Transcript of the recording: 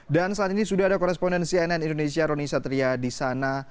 dan saat ini sudah ada koresponden cnn indonesia roni satria di sana